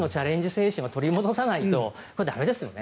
精神を取り戻さないと駄目ですよね。